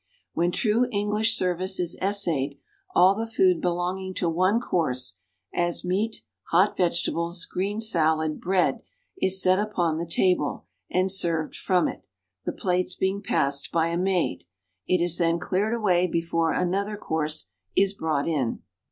When true English service is essayed, all the food belonging to one course (as meat, hot vegetables, green salad, bread) is set up on the table and served from it, the plates being passed by a maid; it is then cleared away before another course is brought in.